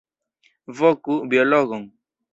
Voku biologon!